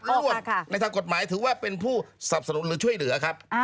ร่วมในทางกฎหมายถือว่าเป็นผู้สับสนุนหรือช่วยเหลือครับ